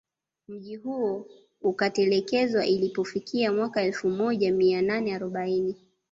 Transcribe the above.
Mji huo ukatelekezwa ilipofika mwaka elfu moja mia nane arobaini